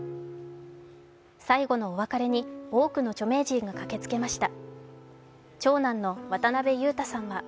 最後のお別れに多くの著名人が駆けつけました。